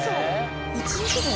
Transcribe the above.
１日で？